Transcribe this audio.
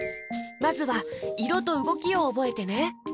まずはいろとうごきをおぼえてね！